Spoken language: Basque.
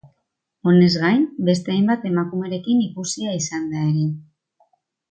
Honez gain, beste hainbat emakumerekin ikusia izan da ere.